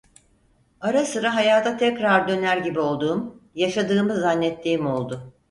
Ara sıra hayata tekrar döner gibi olduğum, yaşadığımı zannettiğim oldu.